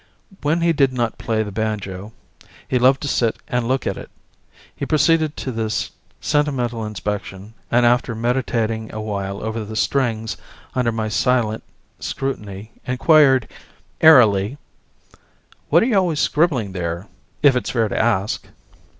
When he did not play the banjo he loved to sit and look at it. He proceeded to this sentimental inspection and after meditating a while over the strings under my silent scrutiny inquired airily: "What are you always scribbling there, if it's fair to ask?"